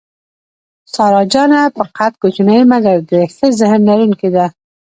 سارا جانه په قد کوچنۍ مګر د ښه ذهن لرونکې ده.